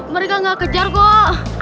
mereka gak kejar kok